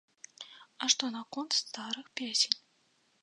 А што наконт старых песень?